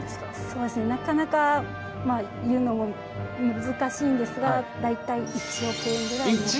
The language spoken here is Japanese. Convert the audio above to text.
そうですねなかなか言うのも難しいんですが大体１億！？